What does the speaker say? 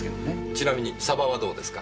ちなみにサバはどうですか？